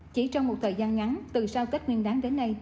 chỉ trong một thời gian ngắn từ sau tết nguyên đáng đến nay